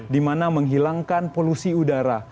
dimana menghilangkan polusi udara